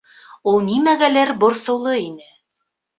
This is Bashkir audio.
Ул нимәгәлер борсоулы ине.